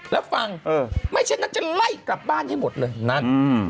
แล้วฟังเออไม่เช่นนั้นจะไล่กลับบ้านให้หมดเลยนั่น